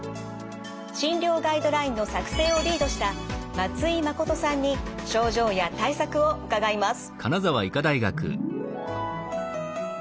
診療ガイドラインの作成をリードした松井真さんに症状や対策を伺います。